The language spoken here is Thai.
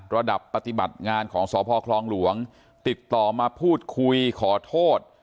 ระดับปฏิบัติงานของสพคลองหลวงติดต่อมาพูดคุยขอโทษ